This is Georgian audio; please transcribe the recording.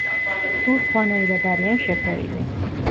სულ სხვადასხვანაირად არიან შეფერილი.